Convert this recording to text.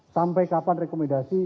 sampai kapan rekomendasi